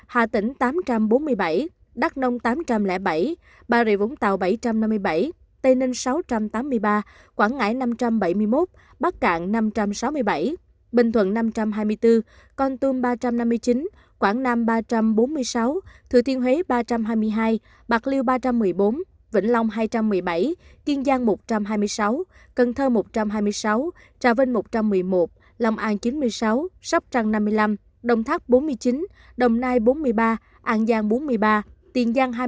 hà tĩnh tám trăm bốn mươi bảy đắk nông tám trăm linh bảy bà rịa vũng tàu bảy trăm năm mươi bảy tây ninh sáu trăm tám mươi ba quảng ngãi năm trăm bảy mươi một bắc cạn năm trăm sáu mươi bảy bình thuận năm trăm hai mươi bốn con tum ba trăm năm mươi chín quảng nam ba trăm bốn mươi sáu thừa thiên huế ba trăm hai mươi hai bạc liêu ba trăm một mươi bốn vĩnh long hai trăm một mươi bảy kiên giang một trăm hai mươi sáu cần thơ một trăm hai mươi sáu trà vinh một trăm một mươi một lòng an chín mươi sáu sóc trăng năm mươi năm đồng thác bốn mươi chín đồng nai bốn mươi